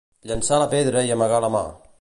Llençar la pedra i amagar la mà